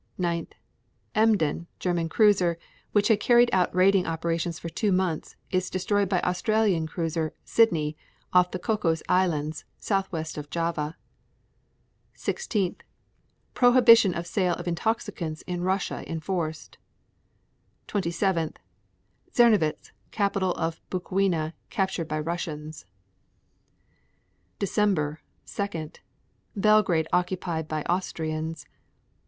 9. Emden, German cruiser, which had carried out raiding operations for two months, is destroyed by Australian cruiser Sydney off the Cocos Islands, southwest of Java. 16. Prohibition of sale of intoxicants in Russia enforced. 27. Czernowitz, capital of Bukowina, captured by Russians. December 2. Belgrade occupied by Austrians.